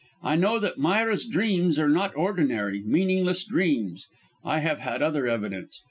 I know that Myra's dreams are not ordinary, meaningless dreams. I have had other evidence.